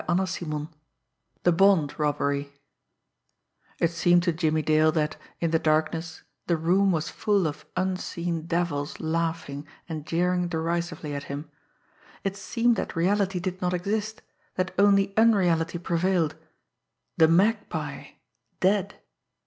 CHAPTER VII THE BOND ROBBERY It seemed to Jimmie Dale that, in the darkness, the room was full of unseen devils laughing and jeering derisively at him. It seemed that reality did not exist; that only unreality prevailed. The Magpie dead!